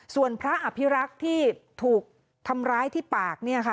ส่วนพระอภิรักษ์ที่ถูกทำร้ายที่ปาก